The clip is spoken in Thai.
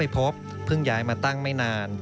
พบเพิ่งย้ายมาตั้งไม่นาน